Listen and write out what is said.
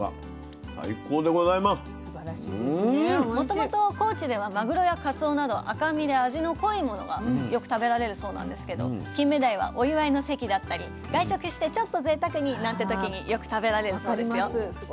もともと高知ではマグロやカツオなど赤身で味の濃いものがよく食べられるそうなんですけどキンメダイはお祝いの席だったり外食してちょっとぜいたくになんて時によく食べられるそうですよ。